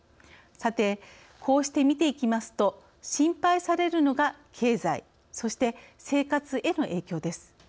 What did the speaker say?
さて、こうして見ていきますと心配されるのが経済そして生活への影響です。